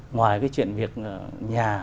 ngoài cái chuyện việc nhà